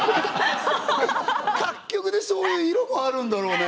各局でそういう色もあるんだろうね。